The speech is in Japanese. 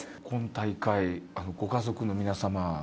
今大会、ご家族の皆さま